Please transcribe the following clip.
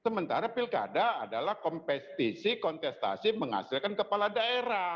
sementara pilkada adalah kompetisi kontestasi menghasilkan kepala daerah